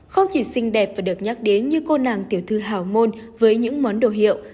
không chỉ xinh đẹp và được nhắc đến như cô nàng tiểu thư hào môn với những món đồ hiệu